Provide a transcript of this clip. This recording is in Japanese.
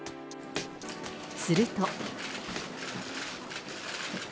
すると。